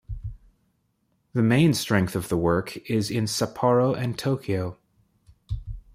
The main strength of the work is in Sapporo and Tokyo.